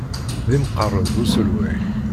D imqerreb uselway.